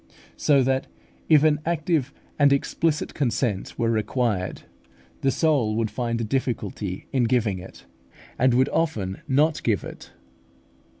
So that if an active and explicit consent were required, the soul would find a difficulty in giving it, and often would not give it.